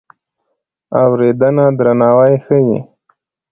اورېدنه درناوی ښيي.